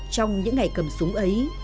trong những ngày cầm súng ấy